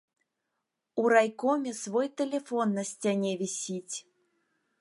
У райкоме свой тэлефон на сцяне вісіць.